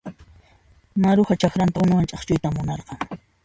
Maruja chakranta unuwan ch'akchuyta munarqan.